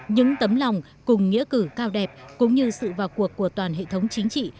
những tấm lòng cùng nghĩa cử cao đẹp cũng như sự vào cuộc của toàn hệ thống chính trị